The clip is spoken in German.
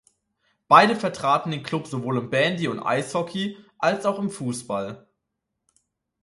Beide vertraten den Klub sowohl im Bandy und Eishockey, als auch im Fußball.